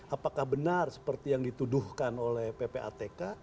apakah benar seperti yang dituduhkan oleh ppatk